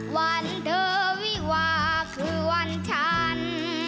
หวานเธอวิหวาคือหวานฉัน